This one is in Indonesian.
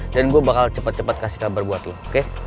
dan gue bakal cepet cepet kasih kabar buat lo oke